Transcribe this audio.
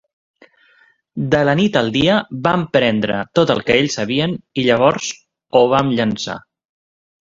De la nit al dia vam prendre tot el que ells sabien i llavors o vam llençar.